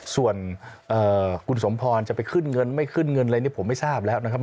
ส่วนคุณสมพรจะไปขึ้นเงินไม่ขึ้นเงินอะไรนี่ผมไม่ทราบแล้วนะครับ